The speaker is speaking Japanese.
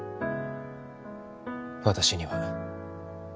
私には